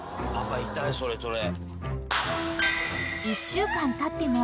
［１週間たっても］